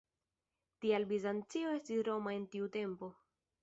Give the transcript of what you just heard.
Tial Bizancio estis "Roma" en tiu tempo.